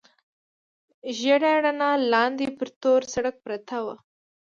ژېړه رڼا، لاندې پر تور سړک پرته وه.